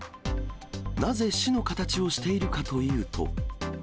なぜ、市の形をしているかというと。